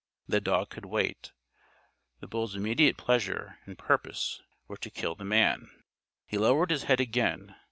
The dog could wait. The bull's immediate pleasure and purpose were to kill the man. He lowered his head again.